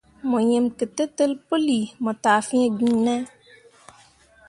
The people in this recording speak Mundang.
Mo yim ketǝtel puuli mo taa fĩĩ giŋ ne ?